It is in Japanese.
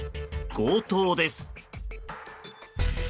強盗です。